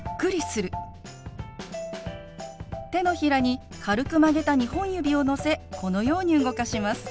手のひらに軽く曲げた２本指をのせこのように動かします。